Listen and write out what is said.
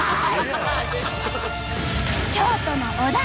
京都の小田。